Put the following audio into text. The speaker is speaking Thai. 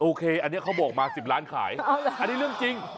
โอเคอันนี้เขาบอกมา๑๐ล้านขายอันนี้เรื่องจริง